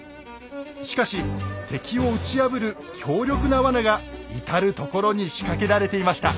しかし敵を打ち破る強力な罠が至る所に仕掛けられていました。